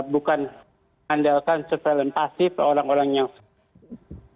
bukan mengandalkan surveillance pasif orang orang yang